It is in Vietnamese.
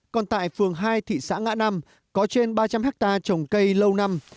còn tại phường hai thị xã ngã năm có trên ba trăm linh hectare trồng cây lâu năm